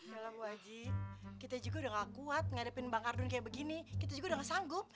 ya lah bu haji kita juga udah gak kuat ngadepin bang kadun kayak begini kita juga udah gak sanggup